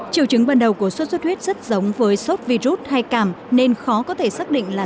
triệu chứng ban đầu của sốt xuất huyết rất giống với sốt virus hay cảm nên khó có thể xác định là